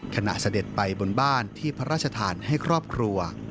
เสด็จไปบนบ้านที่พระราชทานให้ครอบครัว